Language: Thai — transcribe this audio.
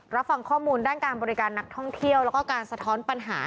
รับฟังข้อมูลด้านการบริการนักท่องเที่ยวแล้วก็การสะท้อนปัญหา